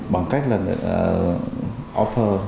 bằng cách là offer